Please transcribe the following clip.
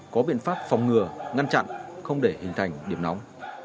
có biện pháp phòng ngừa ngăn chặn không để hình thành điểm nóng